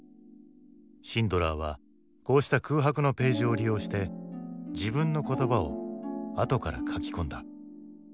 シンドラーはこうした空白のページを利用して自分の言葉をあとから書き込んだ。